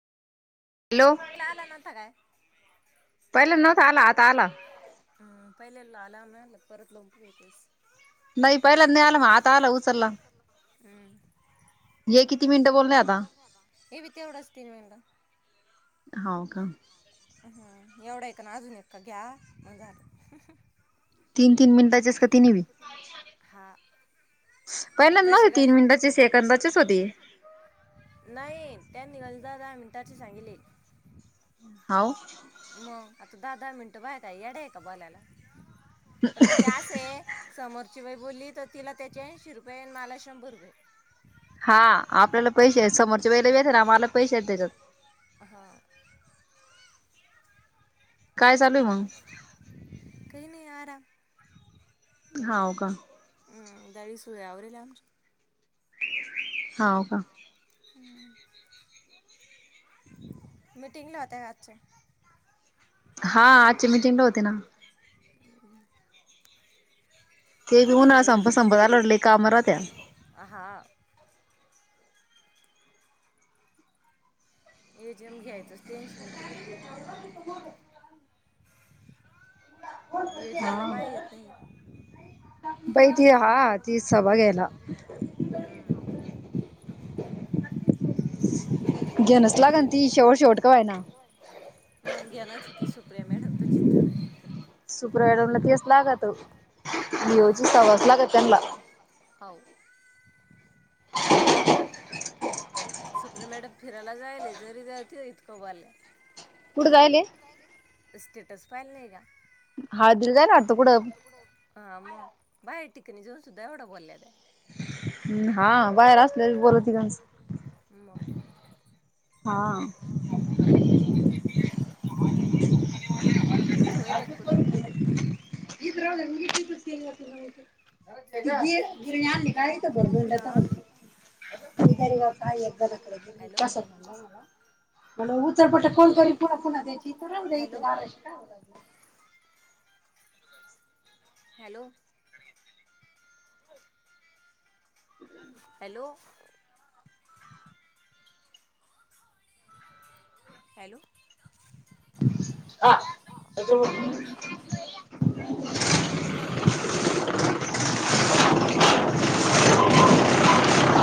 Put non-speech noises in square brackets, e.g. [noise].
Hello का आला नव्हता काय. पहिले नव्हता आला आता आला पहिले. लाला म परत लवकर येतोस. नाही पहिला नाही, आलं मग आता आलं उचलला, हम्म हे किती मिनटं बोलणे आता हे बी तेवढंच हो. का हा एवढं हाय. क ना अजून एक घ्या म्हण झालं. तीन तीन मिनिटाचेच का तिन्ही बी हा पहिल्यांदा पैसे नव्हते घाल तीन मिनिटाचे सेकंदाचेच होते. नाही त्यां निघा दहा दहा मिनिटांची सांगले. हाव म आता. दहा दहा मिनटं बाय का याड आहे. का बोलाला. पण मग ते अस आहे. समोरची बाय बोलली. तिला त्याचे ऐशी रुपये मला शंभर रुपये. हा आपल्याला पैसे समोरच्या वेळे येत ना आम्हाला पैसे आहेत. त्याच्यात. हा काय चालू आहेय मग. ताम हा हो का हम दाडी सुयावरच आमची. हव का. मीटंगला होते आजच्या. हा आजची मीटिंगला होते ना. ते कधी मग होणाला [unintelligible] संप याच्या? संपत लढले काम राहत्या. हा ए जीम घ्यायचंच टेन्शन खर. एजीएम ला बाय येत नाही पहि ती हा ती सभा घ्यायला. हम्म [inaudible] घेनच तेवढीच लाग ती एक शेवट, शेवट का वय ना, मग घेणारची ती सुप्रिया मॅडम तर जिद्द करेल सुप्रडमला तच लागत लिओची हा सवाच लागत त्यांला. हो [inaudible] सुप्रिम मॅडम फिरायला जायल जरी जाते इतकं बला. कुठ कायले. स्टटास फाल नाही का. हळदीला जाय ना अत कुडं. हा मग बाहेर टिकणी जाऊन सुद्धा एवढा बोलत्या. हा बाहेर असले बोल तघणच मग हा. [unintelligible] तुमचं होईल एक पुरं क कस [unintelligible] गिरणी आणली का भरदंड हां काय एकदा नक गिर हॅलो कस म्हण उचरपट फोन करी पुन्हा पुन्हा द्याचीथ राह द्या इथे हॅलो दाराशी का हॅलो हॅलो हॅलो हा हॅलो [inaudible]